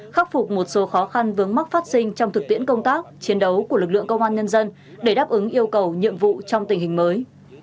khắc phục một số khó khăn vướng mắc phát sinh trong thực tiễn công tác chiến đấu của lực lượng công an nhân dân để đáp ứng yêu cầu nhiệm vụ trong tình hình mới